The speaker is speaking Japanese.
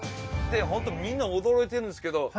でほんとみんな驚いてるんですけど。